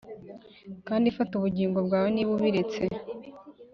kandi fata ubugingo bwawe niba ubiretse